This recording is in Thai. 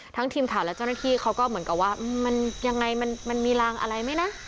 ทีมข่าวและเจ้าหน้าที่เขาก็เหมือนกับว่ามันยังไงมันมีรางอะไรไหมนะ